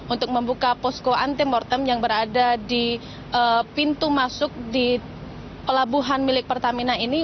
untuk membuka posko anti mortem yang berada di pintu masuk di pelabuhan milik pertamina ini